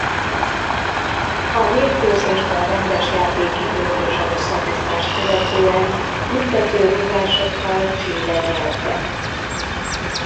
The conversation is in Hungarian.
A mérkőzést a rendes játékidőt és a hosszabbítást követően büntetőrúgásokkal Chile nyerte.